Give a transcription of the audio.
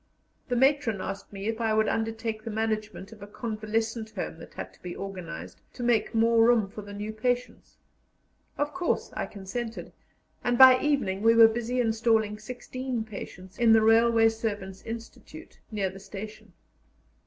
The matron asked me if I would undertake the management of a convalescent home that had to be organized to make more room for the new patients. Of course I consented, and by evening we were busy installing sixteen patients in the railway servants' institute, near the station.